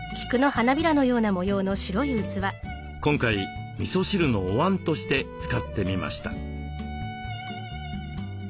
今回みそ汁のおわんとして使ってみました。